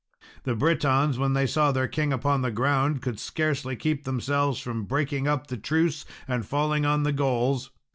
The Britons, when they saw their king upon the ground, could scarcely keep themselves from breaking up the truce and falling on the Gauls.